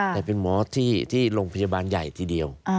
แต่เป็นหมอที่โรงพยาบาลใหญ่ทีเดียว